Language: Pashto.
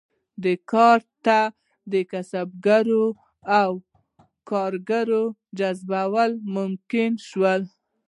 کار ته د کسبګرو او کارګرو جذبول ممکن شول.